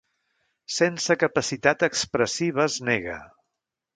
Sense capacitat expressiva es nega.